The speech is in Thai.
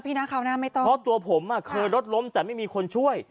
นะคราวหน้าไม่ต้องเพราะตัวผมอ่ะเคยรถล้มแต่ไม่มีคนช่วย